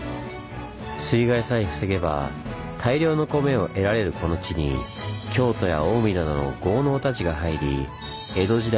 水害さえ防げば大量の米を得られるこの地に京都や近江などの豪農たちが入り江戸時代